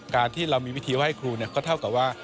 การที่เรามีวิธีไหว้ครูก็เท่ากับว่า